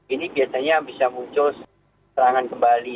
ini biasanya bisa muncul serangan kembali